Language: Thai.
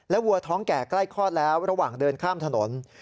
วัวท้องแก่ใกล้คลอดแล้วระหว่างเดินข้ามถนน